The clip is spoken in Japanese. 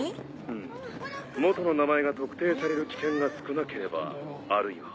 うむ元の名前が特定される危険が少なければあるよ。